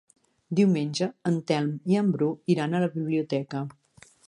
Diumenge en Telm i en Bru iran a la biblioteca.